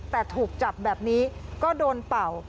แต่ถูกจับแบบนี้ก็โดนเป่า